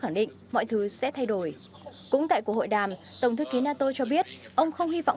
khẳng định mọi thứ sẽ thay đổi cũng tại cuộc hội đàm tổng thư ký nato cho biết ông không hy vọng